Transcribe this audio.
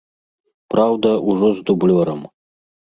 Праўда, ужо з дублёрам.